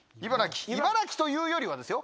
茨城というよりはですよ。